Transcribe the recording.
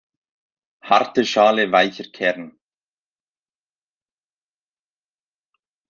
Harte Schale weicher Kern.